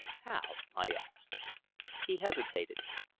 "How?" I asked. He hesitated.